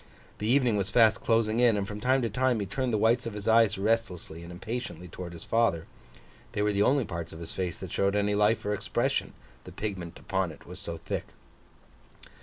The evening was fast closing in; and from time to time, he turned the whites of his eyes restlessly and impatiently towards his father. They were the only parts of his face that showed any life or expression, the pigment upon it was so thick.